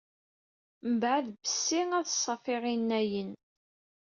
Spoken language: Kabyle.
Mbeɛd bessi ad ṣaffiɣ innayen.